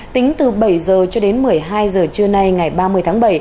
tính từ bảy h cho đến một mươi hai giờ trưa nay ngày ba mươi tháng bảy